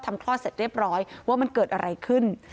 คลอดเสร็จเรียบร้อยว่ามันเกิดอะไรขึ้น